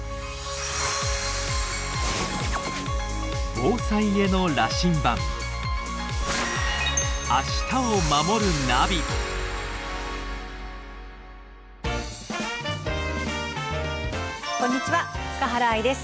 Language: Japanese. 防災への羅針盤こんにちは塚原愛です。